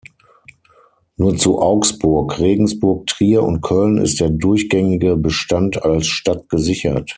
Nur zu Augsburg, Regensburg, Trier und Köln ist der durchgängige Bestand als Stadt gesichert.